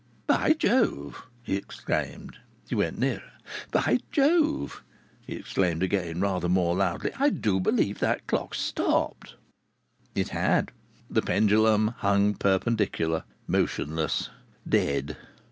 "By Jove!" he exclaimed. He went nearer. "By Jove!" he exclaimed again rather more loudly. "I do believe that clock's stopped!" It had. The pendulum hung perpendicular, motionless, dead.